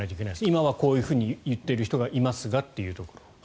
今はこう言っている人がいますがというところ。